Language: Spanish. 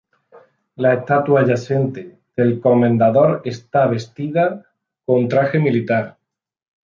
La estatua yacente del comendador está vestida con traje militar.